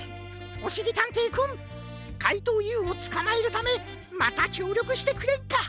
おしりたんていくんかいとうＵをつかまえるためまたきょうりょくしてくれんか。